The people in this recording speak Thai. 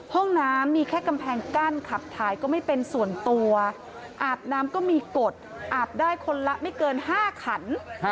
ห้องน้ำมีแค่กำแพงกั้นขับถ่ายก็ไม่เป็นส่วนตัวอาบน้ำก็มีกฎอาบได้คนละไม่เกิน๕ขัน